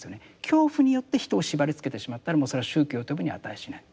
恐怖によって人を縛りつけてしまったらもうそれは宗教と呼ぶに値しない。